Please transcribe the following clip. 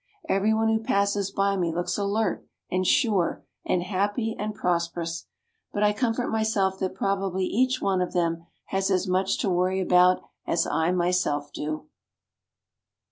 Everyone who passes by me looks alert, and sure, and happy and prosperous, but I comfort myself that probably each one of them has as much to worry about as I myself do.